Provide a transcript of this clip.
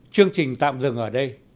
chương trình tạm dừng ở đây